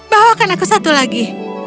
bawakan aku satu lagi